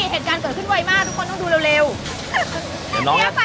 เห็นกันต่อขึ้นไวมากตัวน้องดูเร็ว